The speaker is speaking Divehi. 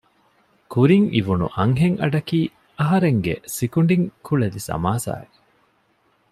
ކުރިން އިވުނު އަންހެން އަޑަކީ އަހަރެންގެ ސިކުނޑިން ކުޅެލި ސަމާސާއެއް